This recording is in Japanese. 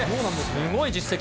すごい実績。